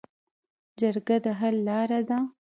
جرګه د حل لاره ده